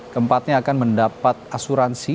keempatnya akan mendapat asuransi